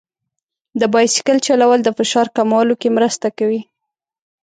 د بایسکل چلول د فشار کمولو کې مرسته کوي.